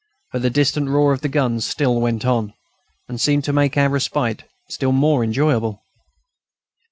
But the distant roar of the guns still went on, and seemed to make our respite still more enjoyable.